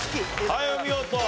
はいお見事！